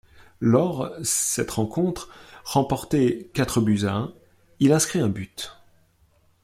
Lors cette rencontre, remportée quatre buts à un, il inscrit un but.